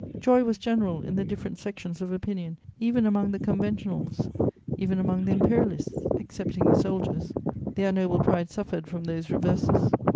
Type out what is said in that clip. Joy was general in the different sections of opinion, even among the Conventionals, even among the Imperialists, excepting the soldiers: their noble pride suffered from those reverses.